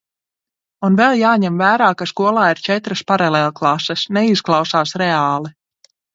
Un vēl jāņem vērā, ka skolā ir četras paralēlklases. Neizklausās reāli.